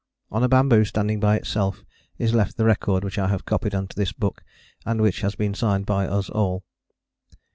On a bamboo standing by itself is left the record which I have copied into this book, and which has been signed by us all.